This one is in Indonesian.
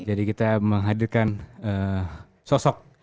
jadi kita menghadirkan sosok